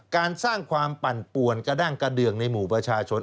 การสร้างความปั่นป่วนกระด้างกระเดืองในหมู่ประชาชน